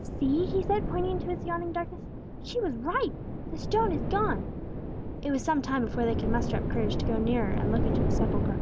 "See!" he said, pointing into its yawning darkness. "She was right! The stone is gone!" It was some time before they could muster up courage to go nearer and look into the sepulchre.